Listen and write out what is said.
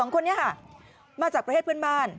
๒คนนี้ค่ะมาจากประเทศเพื่อนบ้าน